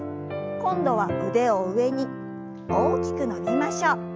今度は腕を上に大きく伸びましょう。